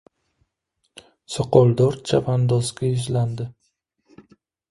Soqoldor chavandozga yuzlandi.